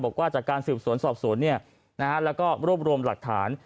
บอกว่าจากการสืบสวนสอบสวนแล้วก็รวบรวมหลักฐาน